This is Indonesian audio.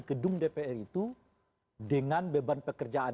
gedung dpr itu dengan beban pekerjaan